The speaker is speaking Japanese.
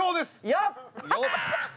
「よっ！」。